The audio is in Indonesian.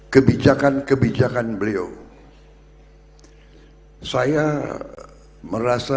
kebijakan kebijakan beliau saya merasa